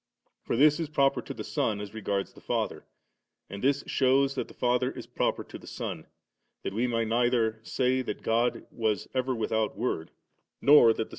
For this is proper to the Son, as regards the Father, and this shews that the Father is proper to the Son; that we may neither say that God was ever without Word«*>, nor that the Son s Snpr.